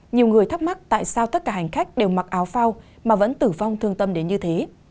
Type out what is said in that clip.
nhiều người thắc mắc tại sao tất cả hành khách đều mặc áo phao mà vẫn tử vong thương tâm đến như thế